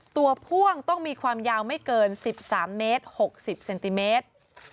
พ่วงต้องมีความยาวไม่เกิน๑๓เมตร๖๐เซนติเมตร